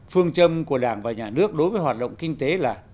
phương châm của đảng và nhà nước đối với hoạt động kinh tế là